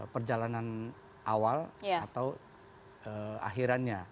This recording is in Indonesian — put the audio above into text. perjalanan awal atau akhirannya